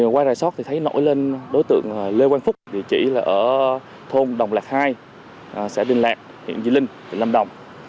qua rài sót thì thấy nổi lên đối tượng lê quang phúc vị trí là ở thôn đồng lạc hai xã đình lạc huyện vĩnh linh tỉnh lâm đồng